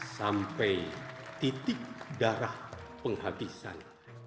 sampai titik darah penghabisan